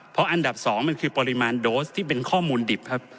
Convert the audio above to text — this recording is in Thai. เพราะอันดับ๒มันคือปริมาณโดสที่เป็นข้อมูลดิบครับ